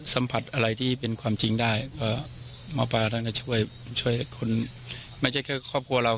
สัมผัสอะไรที่เป็นความจริงได้ก็หมอปลาท่านก็ช่วยคนไม่ใช่แค่ครอบครัวเรา